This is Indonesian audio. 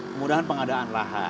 kemudahan pengadaan raha